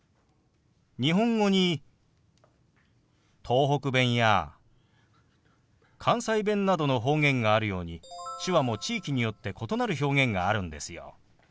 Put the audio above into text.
日本語に東北弁や関西弁などの方言があるように手話も地域によって異なる表現があるんですよ。